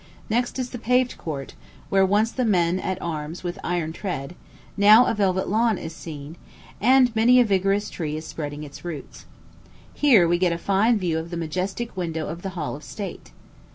Next is the paved court, where once were the men at arms with iron tread; now a velvet lawn is seen, and many a vigorous tree is spreading its roots. Here we get a fine view of the majestic window of the hall of state.